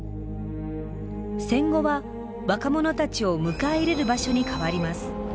戦後は若者たちを迎え入れる場所に変わります。